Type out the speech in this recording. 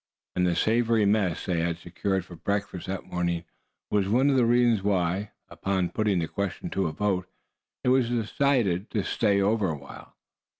And the savory mess they had secured for breakfast that morning was one of the reasons why, upon putting the question to a vote, it was decided to stay over a while.